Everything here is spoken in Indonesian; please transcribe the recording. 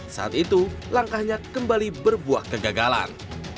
saat itu langkahnya kembali berbuah kegagalan